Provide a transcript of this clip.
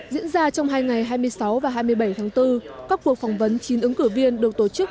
diễn ra trong hai ngày hai mươi sáu và hai mươi bảy tháng bốn các cuộc phỏng vấn chín ứng cử viên được tổ chức